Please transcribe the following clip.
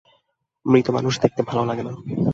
মৃত মানুষ দেখতে ভালো লাগে না।